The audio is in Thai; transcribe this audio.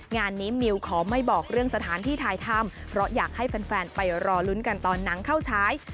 งานนี้มิวขอไม่บอกเรื่องสถานที่ถ่ายทำเพราะอยากให้แฟนไปรอลุ้นกันตอนหนังเข้าฉาย